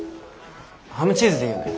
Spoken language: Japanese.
ハムチーズでいいよね？